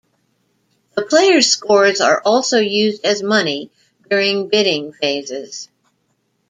The players' scores are also used as money during bidding phases.